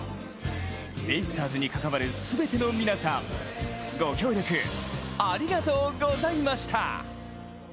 ベイスターズに関わる全ての皆さん、ご協力ありがとうございました。